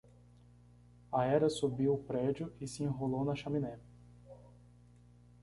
A hera subiu o prédio e se enrolou na chaminé.